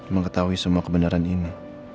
mengetahui semua kebenaran ini